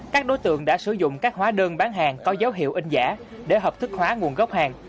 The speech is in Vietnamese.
các đối tượng đã sử dụng các hóa đơn bán hàng có dấu hiệu in giả để hợp thức hóa nguồn gốc hàng